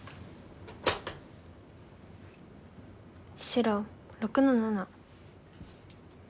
白６の七。